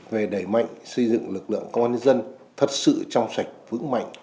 về đẩy mạnh xây dựng lực lượng công an nhân dân thật sự trong sạch vững mạnh